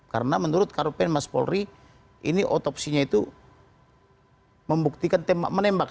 karena menurut karupen mas polri ini otopsinya itu membuktikan tembak menembak